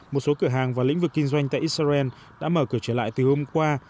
một số cửa hàng và lĩnh vực kinh doanh tại israel đã mở cửa trở lại từ hôm qua